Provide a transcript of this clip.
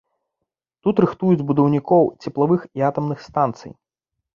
Тут рыхтуюць будаўнікоў цеплавых і атамных станцый.